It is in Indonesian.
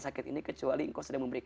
sakit ini kecuali engkau sedang memberikan